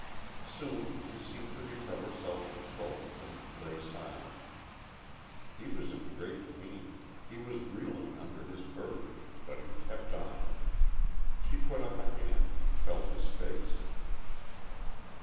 Soon she seemed to recover self control and lay silent. He was in great pain; he was reeling under his burden, but he kept on. She put up a hand and felt his face.